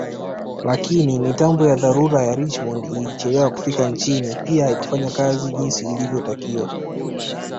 Lakini mitambo ya dharura ya Richmond ilichelewa kufika nchini pia haikufanya kazi jinsi ilivyotakiwa